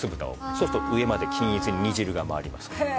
そうすると上まで均一に煮汁が回ります。